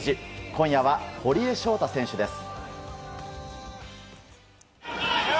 今夜は堀江翔太選手です。